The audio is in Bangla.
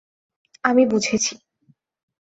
আমি বুঝেছি।